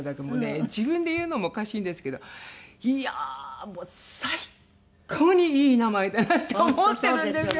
自分で言うのもおかしいんですけどいやあもう最高にいい名前だなって思ってるんですよ。